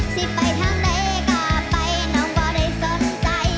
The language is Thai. สิไปทางใดก็ไปน้องก็ได้สนใจ